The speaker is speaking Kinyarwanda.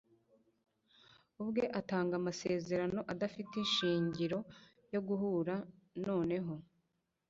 ubwe atanga amasezerano adafite ishingiro yo guhura noneho